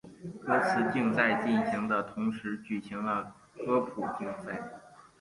歌词竞赛进行的同时举行了歌谱竞赛。